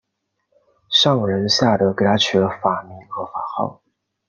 上仁下德给他取了法名和法号。